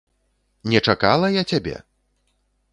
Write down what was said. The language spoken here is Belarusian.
Не чакала я цябе?